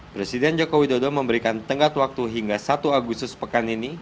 presiden joko widodo memberikan tenggat waktu hingga satu agustus pekan ini